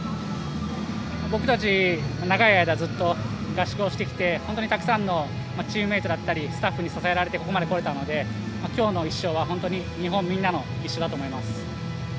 僕たち、長い間ずっと合宿をしてきて本当にたくさんのチームメートだったりスタッフに支えられてここまでこられたので今日の１勝は日本みんなの１勝だと思います。